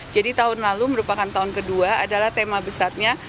jadi tahun lalu merupakan tahun kedua adalah tema besarnya